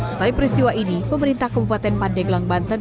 usai peristiwa ini pemerintah kabupaten pandeglang banten